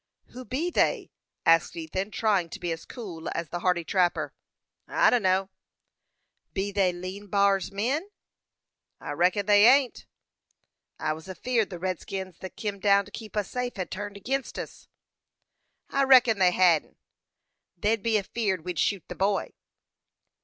"Who be they?" asked Ethan, trying to be as cool as the hardy trapper. "I dunno." "Be they Lean B'ar's men?" "I reckon they ain't." "I was afeerd the redskins that kim down to keep us safe had turned agin us." "I reckon they hain't. They'd be afeerd we'd shoot the boy."